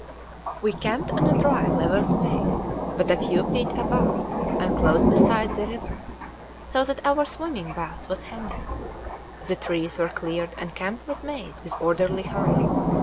We camped on a dry level space, but a few feet above, and close beside, the river so that our swimming bath was handy. The trees were cleared and camp was made with orderly hurry.